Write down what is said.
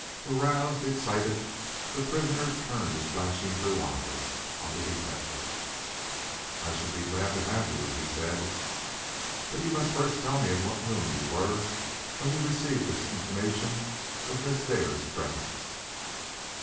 Aroused, excited, the prisoner turned his flashing blue eyes on the detective. "I should be glad to have you," he said. "But you must first tell me in what room you were when you received this intimation of Miss Dare's presence?"